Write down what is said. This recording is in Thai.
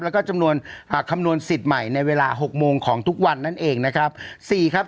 แล้วก็จำนวนคำนวณสิทธิ์ใหม่ในเวลา๖โมงของทุกวันนั่นเองนะครับ